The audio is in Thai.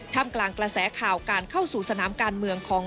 กลางกระแสข่าวการเข้าสู่สนามการเมืองของ